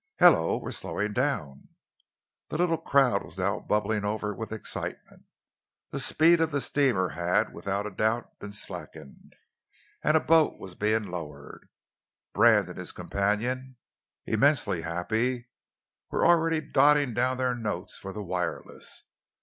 "Hullo, we're slowing down!" The little crowd was now bubbling over with excitement. The speed of the steamer had, without a doubt, been slackened, and a boat was being lowered. Brand and his companion, immensely happy, were already dotting down their notes for the wireless.